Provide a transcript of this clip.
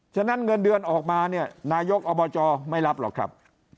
ฉะนั้นเงินเดือนออกมาเนี่ยนายกอบจไม่รับหรอกครับ